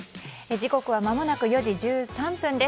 時刻はまもなく４時１３分です。